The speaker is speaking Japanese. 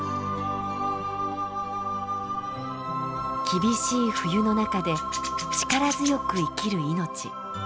厳しい冬の中で力強く生きる命。